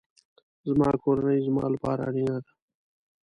زما کورنۍ زما لپاره اړینه ده